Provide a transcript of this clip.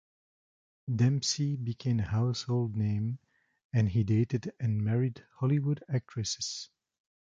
Dempsey became a household name, and he dated and married Hollywood actresses.